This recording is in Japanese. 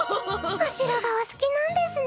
お城がお好きなんですね。